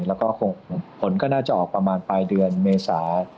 แล้วก็ผลก็น่าจะออกประมาณปลายเดือนเมษา